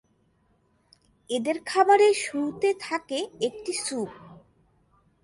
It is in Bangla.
এদের খাবারের শুরুতে থাকে একটি স্যুপ।